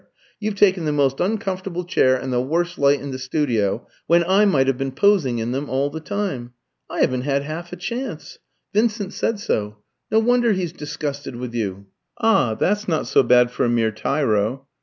you've taken the most uncomfortable chair and the worst light in the studio, when I might have been posing in them all the time. I haven't had half a chance. Vincent said so. No wonder he's disgusted with you. Ah! that's not so bad for a mere tyro.